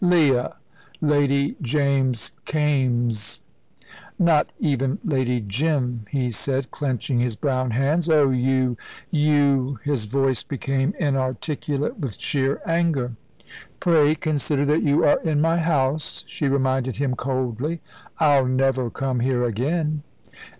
"Leah!" "Lady James Kaimes!" "Not even Lady Jim," he said, clenching his brown hands. "Oh, you you " His voice became inarticulate with sheer anger. "Pray consider that you are in my house," she reminded him coldly. "I'll never come here again."